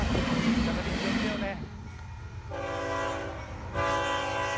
ガチャピン、気を付けようね！